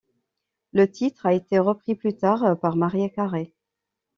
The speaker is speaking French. Le titre a été repris plus tard par Mariah Carey.